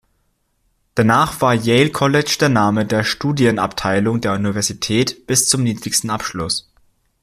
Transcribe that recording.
Danach war Yale College der Name der Studienabteilung der Universität bis zum niedrigsten Abschluss.